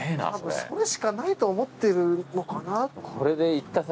それしかないと思ってるのかな。